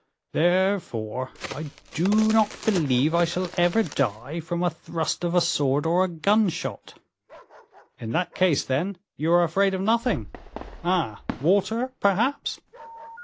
"Therefore, I do not believe I shall ever die from a thrust of a sword or a gun shot." "In that case, then, you are afraid of nothing. Ah! water, perhaps?"